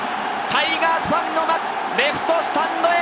タイガースファンの待つレフトスタンドへ。